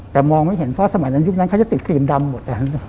แต่มองไม่เห็นเพราะสมัยนั้นยุคนั้นเขาจะติดฟิล์มดำหมด